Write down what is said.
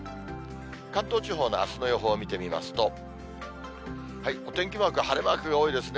関東地方のあすの予報を見てみますと、お天気マーク、晴れマークが多いですね。